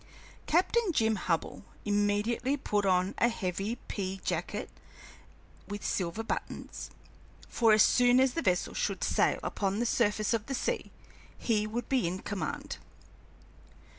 Captain Jim Hubbell immediately put on a heavy pea jacket with silver buttons, for as soon as the vessel should sail upon the surface of the sea he would be in command.